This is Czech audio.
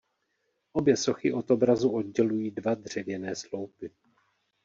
Obě sochy od obrazu oddělují dva dřevěné sloupy.